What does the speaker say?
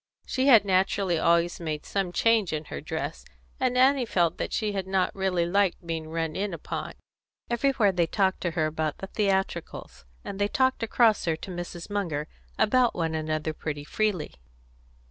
She had naturally always made some change in her dress, and Annie felt that she had not really liked being run in upon. Everywhere they talked to her about the theatricals; and they talked across her to Mrs. Munger, about one another, pretty freely.